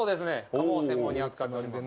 鴨を専門に扱っております。